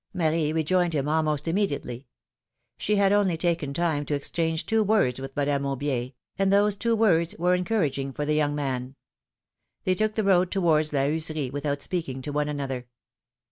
Marie rejoined him almost imme diately; she had only taken time to exchange two words with Madame Aflbier, and those two words were encour aging for the young man. They took the road towards La Heuserie without speaking to one another.